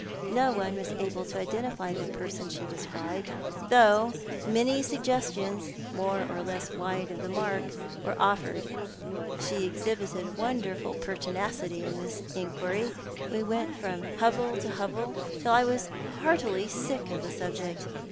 No one was able to identify the person she described, though many suggestions, more or less wide of the mark, were offered. She exhibited wondirful per tinacity in this inquiry, and we went from hovel to hovel till I was heartily sick of the subject.